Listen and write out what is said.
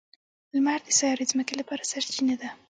• لمر د سیارې ځمکې لپاره سرچینه ده.